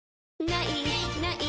「ない！ない！